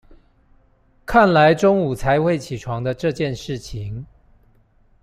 看來中午才會起床的這件事情